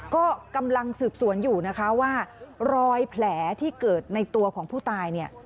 ก็กำลังสืบสวนอยู่นะคะว่ารอยแผลที่เกิดในตัวของผู้ตายเนี่ย